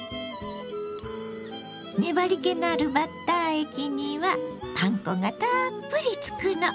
粘りけのあるバッター液にはパン粉がたっぷりつくの。